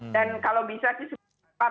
dan kalau bisa sih sempat